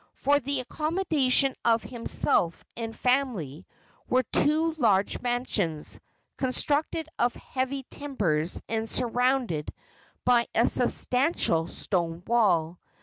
For the accommodation of himself and family were two large mansions, constructed of heavy timbers and surrounded by a substantial stone wall.